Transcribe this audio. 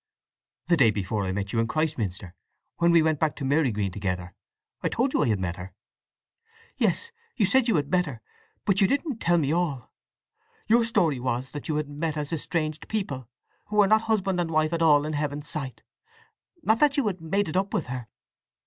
"The day before I met you in Christminster, when we went back to Marygreen together. I told you I had met her." "Yes, you said you had met her, but you didn't tell me all. Your story was that you had met as estranged people, who were not husband and wife at all in Heaven's sight—not that you had made it up with her."